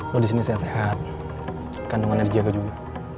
lu di sini sehat sehat kandungannya dijaga juga